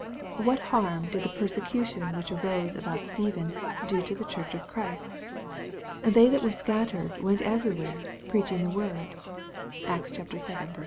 What harm did the "persecution which arose about Stephen" do to the Church of Christ ? They that were scattered went everywhere, preaching the word. (Acts vii.4.)